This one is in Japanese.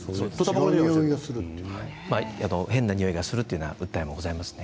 変なにおいがするという訴えもございますね。